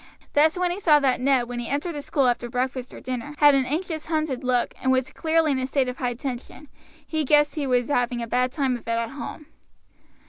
Thus when he saw that Ned, when he entered the school after breakfast or dinner, had an anxious hunted look, and was clearly in a state of high tension, he guessed he was having a bad time of it at home.